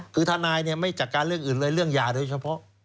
คือทนายเนี่ยไม่จัดการเรื่องอื่นเลยเรื่องยาโดยเฉพาะ